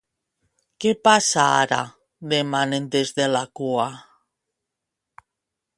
Què passa ara? —demanen des de la cua.